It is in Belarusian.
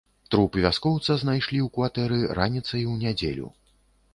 Труп вяскоўца знайшлі ў кватэры раніцай у нядзелю.